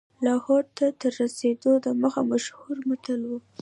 لاهور ته تر رسېدلو دمخه مشهور متل و.